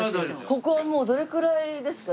ここはもうどれくらいですか？